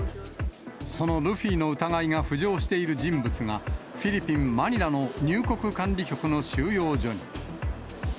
そのルフィの疑いが浮上している人物が、フィリピン・マニラの入国管理局の収容所に。